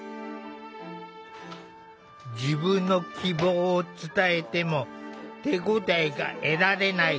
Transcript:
自分の希望を伝えても手応えが得られない。